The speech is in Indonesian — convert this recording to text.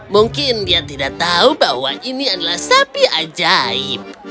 mungkin dia tidak tahu bahwa ini adalah sapi ajaib